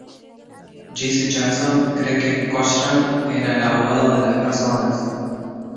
Jesse Jackson cree que Cochran era el "abogado de las personas.